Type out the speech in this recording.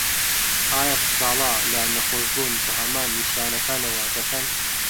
ئایا سکاڵا له نەخۆشبوون بە هەمان نیشانەکانەوه دەکەن؟